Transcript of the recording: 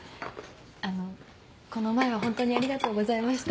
あのこの前は本当にありがとうございました。